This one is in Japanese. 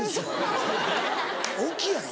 大きいやろ？